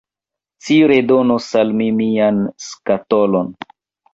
Ci redonos al mi mian skatolon.